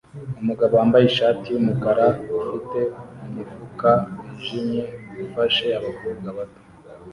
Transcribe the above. umugabo wambaye ishati yumukara ufite umufuka wijimye ufashe abakobwa bato